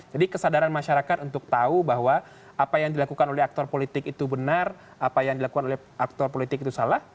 jadi kesadaran masyarakat untuk tahu bahwa apa yang dilakukan oleh aktor politik itu benar apa yang dilakukan oleh aktor politik itu salah